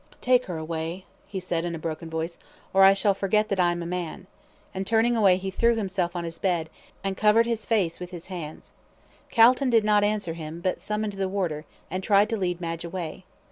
"Take her away," he said, in a broken voice, "or I shall forget that I am a man;" and turning away he threw himself on his bed, and covered his face with his hands. Calton did not answer him, but summoned the warder, and tried to lead Madge away.